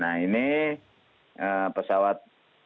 nah ini pesawat